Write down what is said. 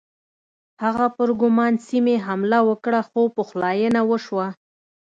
هغه پر ګرمان سیمې حمله وکړه خو پخلاینه وشوه.